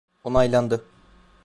Onaylandı.